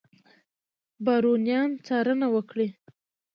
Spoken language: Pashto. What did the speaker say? بارونیان څارنه وکړي.